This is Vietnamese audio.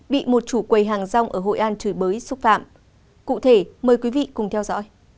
bị một chủ quầy hàng rong ở hội an chửi bới xúc phạm cụ thể mời quý vị cùng theo dõi